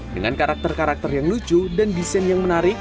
dengan karakter karakter yang lucu dan desain yang menarik